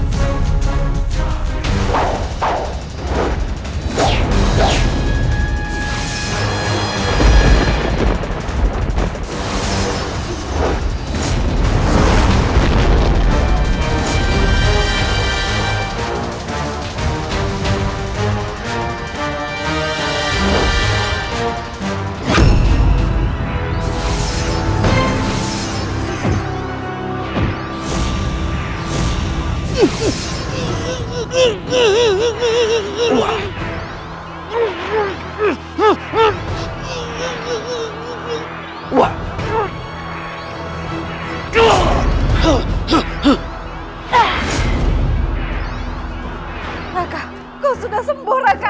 sekali lagi kau sudah sempurna